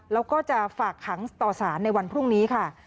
แล้วก็จะฝากขังต่อสารในวันพรุ่งนี้ค่ะ